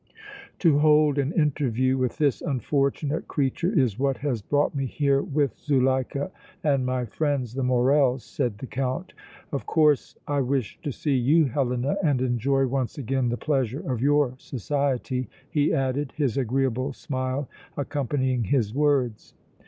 "To hold an interview with this unfortunate creature is what has brought me here with Zuleika and my friends the Morrels," said the Count. "Of course, I wished to see you, Helena, and enjoy once again the pleasure of your society," he added, his agreeable smile accompanying his words.